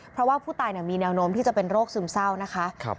เพราะว่าผู้ตายมีแนวโน้มที่จะเป็นโรคซึมเศร้านะคะ